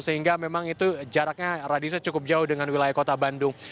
sehingga memang itu jaraknya radiusnya cukup jauh dengan wilayah kota bandung